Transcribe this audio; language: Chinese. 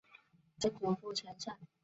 曾祖父陈善。